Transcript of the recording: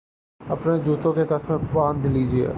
اپنے جوتوں کے تسمے باندھ لیجئے